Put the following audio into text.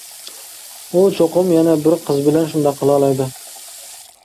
ئۇ چوقۇم يەنە بىر قىز بىلەن شۇنداق قىلالايدۇ.